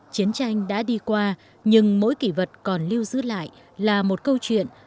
chiến tranh đã đi qua nhưng mỗi kỷ vật còn lưu giữ lại là một câu chuyện